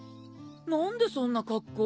何でそんな格好。